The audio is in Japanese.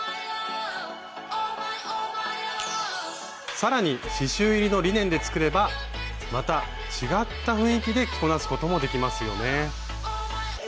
さらに刺しゅう入りのリネンで作ればまた違った雰囲気で着こなすこともできますよね。